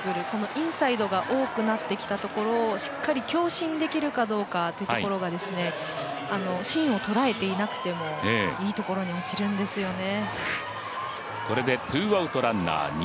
インサイドが多くなってきたところを強振できるかどうかというところが芯を捉えていなくてもいいところに落ちるんですよね。